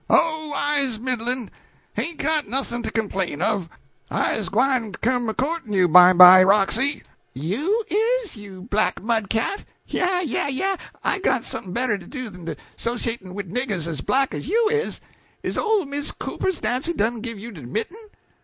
"Oh, I's middlin'; hain't got noth'n' to complain of. I's gwine to come a court'n' you bimeby, Roxy." "You is, you black mud cat! Yah yah yah! I got somep'n' better to do den 'sociat'n' wid niggers as black as you is. Is ole Miss Cooper's Nancy done give you de mitten?"